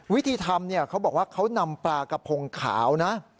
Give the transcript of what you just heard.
วิธีทำเขาบอกว่าเขานำปลากระพงขาวนะ